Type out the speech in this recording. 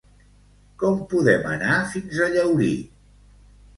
Com podem anar fins a Llaurí?